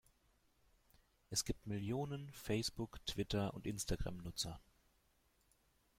Es gibt Millionen Facebook-, Twitter- und Instagram-Nutzer.